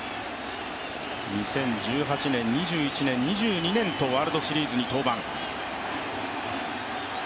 ２０１８年、２１年、２２年とワールドシリーズに登板。